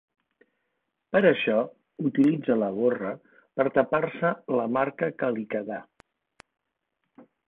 Per això, utilitza la gorra per tapar-se la marca que li quedà.